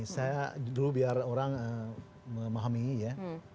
saya dulu biar orang memahami ya